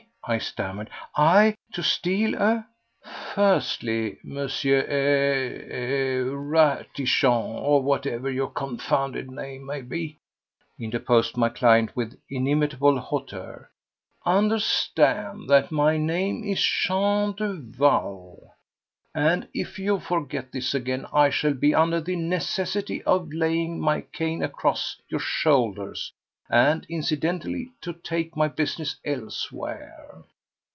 I stammered. "I, to steal a—" "Firstly, M.—er—er—Ratichon, or whatever your confounded name may be," interposed my client with inimitable hauteur, "understand that my name is Jean Duval, and if you forget this again I shall be under the necessity of laying my cane across your shoulders and incidentally to take my business elsewhere.